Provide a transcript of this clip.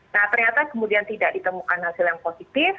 nah ternyata kemudian tidak ditemukan hasil yang positif